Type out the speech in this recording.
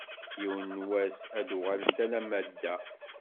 Yiwen n wass ad d-uɣalent alamma d da.